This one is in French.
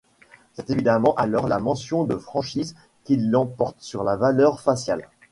C'est évidemment alors la mention de franchise qui l'emporte sur la valeur faciale.